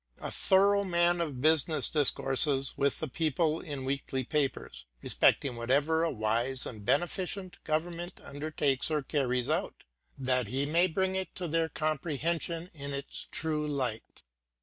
A thorough man of business discourses with the people in weekly papers, respecting whatever a wise and beneficent government undertakes or carries out, that he may bring it to their comprehension in its true light.